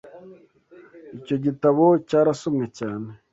Icyo gitabo cyarasomwe cyane.